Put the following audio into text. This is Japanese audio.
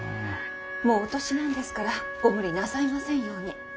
もうお年なんですからご無理なさいませんように。